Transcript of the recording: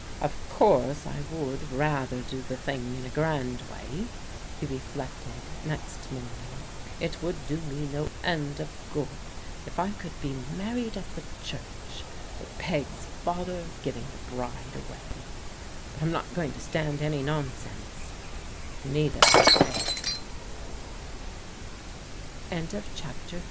"Of course I would rather do the thing in a grand ^y," he reflected next morning, " It would do me no end of good if I could be married at the church, with Peg's father giving the bride away, but I'm not going to ttand any nonse